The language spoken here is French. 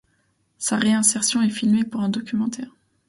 Sa réinsertion est filmée pour un documentaire.